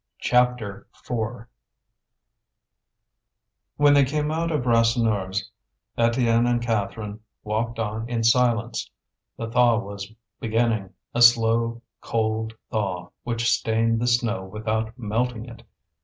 CHAPTER IV When they came out of Rasseneur's, Étienne and Catherine walked on in silence. The thaw was beginning, a slow cold thaw which stained the snow without melting it.